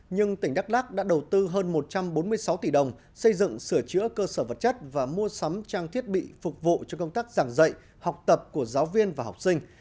nhưng tỉnh đắk lắc đã đầu tư hơn một trăm bốn mươi sáu tỷ đồng xây dựng sửa chữa cơ sở vật chất và mua sắm trang thiết bị phục vụ cho công tác giảng dạy học tập của giáo viên và học sinh